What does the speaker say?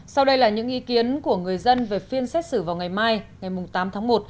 sau đây là những ý kiến của người dân về phiên xét xử vào ngày mai ngày tám tháng một